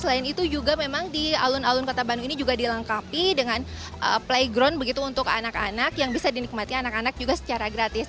selain itu juga memang di alun alun kota bandung ini juga dilengkapi dengan playground begitu untuk anak anak yang bisa dinikmati anak anak juga secara gratis